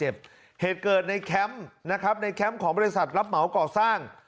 เหตุเกิดในแคมป์นะครับในแคมป์ของบริษัทรับเหมาก่อสร้าง